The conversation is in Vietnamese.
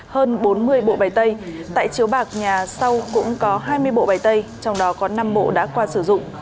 hơn bốn mươi bộ bày tay tại chiếu bạc nhà sau cũng có hai mươi bộ bày tay trong đó có năm bộ đã qua sử dụng